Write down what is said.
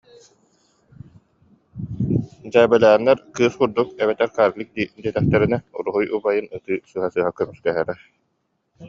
Дьээбэлээннэр «кыыс курдук эбэтэр карлик дии» диэтэхтэринэ, «уруһуй убайын» ытыы сыһа-сыһа көмүскэһэрэ